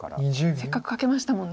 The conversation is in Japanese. せっかくカケましたもんね。